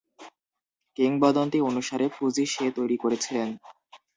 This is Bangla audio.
কিংবদন্তি অনুসারে, ফুজি "সে" তৈরি করেছিলেন।